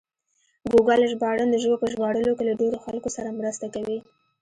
ګوګل ژباړن د ژبو په ژباړلو کې له ډېرو خلکو سره مرسته کوي.